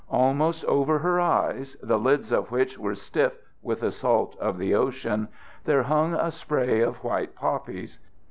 Almost over her eyes the lids of which were stiff with the salt of the ocean there hung a spray of white poppies.